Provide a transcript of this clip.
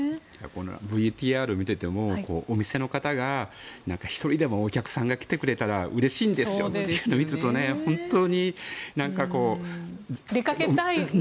ＶＴＲを見ていてもお店の方が１人でもお客さんが来てくれたらうれしいんですよというのを見ていると出かけたいですよね。